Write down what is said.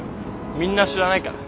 みんな知らないから。